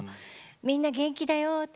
みんな元気だよと。